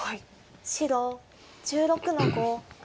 白１６の五カケ。